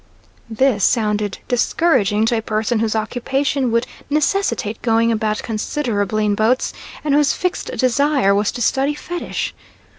This sounded discouraging to a person whose occupation would necessitate going about considerably in boats, and whose fixed desire was to study fetish.